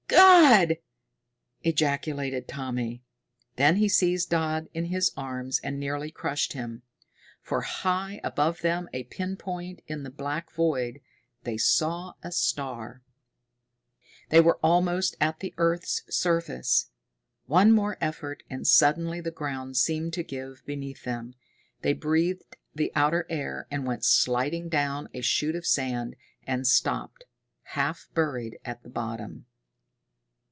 "God!" ejaculated Tommy. Then he seized Dodd in his arms and nearly crushed him. For high above them, a pin point in the black void, they saw a star! They were almost at the earth's surface! One more effort, and suddenly the ground seemed to give beneath them. They breathed the outer air, and went sliding down a chute of sand, and stopped, half buried, at the bottom.